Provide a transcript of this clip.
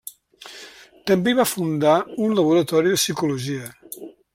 També hi va fundar un laboratori de psicologia.